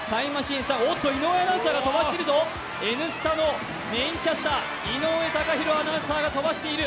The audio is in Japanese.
おっと井上アナウンサーが飛ばしているぞ、「Ｎスタ」のメインキャスター、井上貴博アナウンサーが飛ばしている。